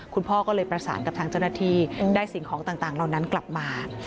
คุณพ่อก็เลยประสานกับทางเจ้าหน้าที่ได้สิ่งของต่างเหล่านั้นกลับมา